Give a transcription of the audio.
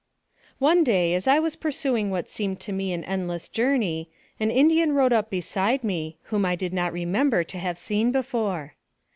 ONE day, as I was pursuing what seemed to me an endless journey, an Indian rode up beside me, whom I did not remember to have seen before.